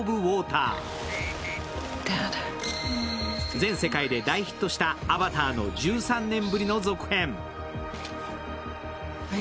全世界で大ヒットした「アバター」の１３年ぶりの続編。